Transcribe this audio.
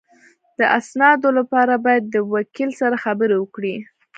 د اسنادو لپاره باید د وکیل سره خبرې وکړې